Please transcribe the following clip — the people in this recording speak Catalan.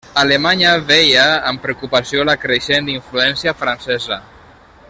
Alemanya veia amb preocupació la creixent influència francesa.